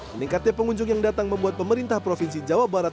meningkatnya pengunjung yang datang membuat pemerintah provinsi jawa barat